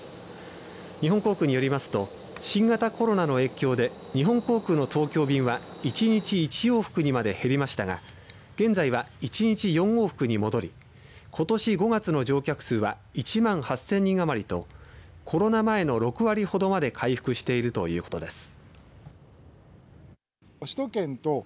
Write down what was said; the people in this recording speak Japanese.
日本航空によりますと新型コロナの影響で日本航空の東京便は１日１往復にまで減りましたが現在は１日４往復に戻りことし５月の乗客数は１万８０００人余りとコロナ前の６割ほどまで回復しているということです。